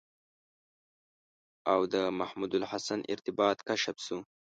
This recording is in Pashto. او د محمودالحسن ارتباط کشف شو.